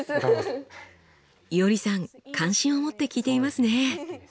いおりさん関心を持って聞いていますね！